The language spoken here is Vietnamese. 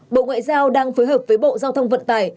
bộ ngoại giao đang phối hợp với bộ giao thông vận tải